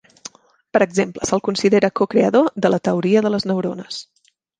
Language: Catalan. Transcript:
Per exemple, se'l considera cocreador de la teoria de les neurones.